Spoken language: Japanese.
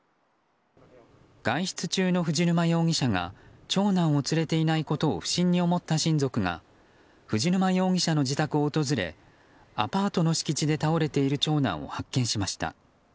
外出中の藤沼容疑者が長男を連れていないことを不審に思った親族が藤沼容疑者の自宅を訪れアパートの敷地で倒れている長男を発見しました。